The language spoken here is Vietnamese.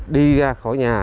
đi ra khỏi nhà